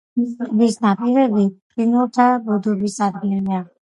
ტბის ნაპირები ფრინველთა ბუდობის ადგილია.